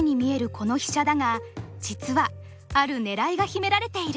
この飛車だが実はある狙いが秘められている。